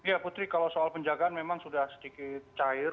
ya putri kalau soal penjagaan memang sudah sedikit cair